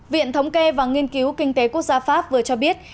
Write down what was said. viện thống kê và nghiên cứu kinh tế quốc gia pháp vừa cho biết